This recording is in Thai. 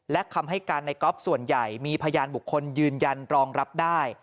และคำให้การในก๊อฟส่วนใหญ่มีพยานบุคคลยืนยันรองรับได้